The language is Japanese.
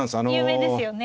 有名ですよね。